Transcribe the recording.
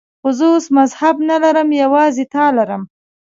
خو زه اوس مذهب نه لرم، یوازې تا لرم.